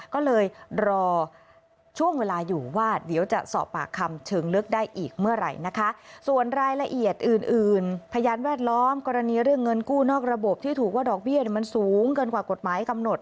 ก็เลยรอช่วงเวลาอยู่ว่าเดี๋ยวจะสอบปากคำเชิงเลือกได้อีกเมื่อไหร่นะคะ